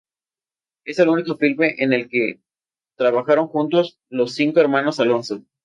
Es el único filme en el que trabajaron juntos los cinco hermanos Alonso.